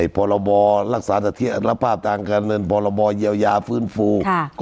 พรบรักษาภาพทางการเงินพรบเยียวยาฟื้นฟู